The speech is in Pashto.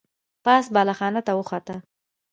پاس بالا خانې ته وخوته.